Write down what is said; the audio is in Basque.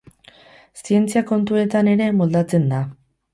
Zientzia kontuetan ere moldatzen da.